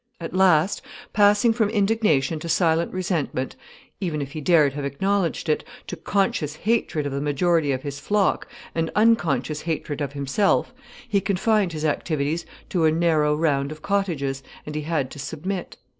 At last, passing from indignation to silent resentment, even, if he dared have acknowledged it, to conscious hatred of the majority of his flock, and unconscious hatred of himself, he confined his activities to a narrow round of cottages, and he had to submit.